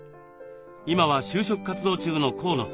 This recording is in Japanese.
今は就職活動中の河野さん。